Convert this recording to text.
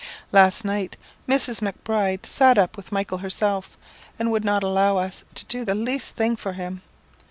"Last night Mrs. Macbride sat up with Michael herself, and would not allow us to do the least thing for him.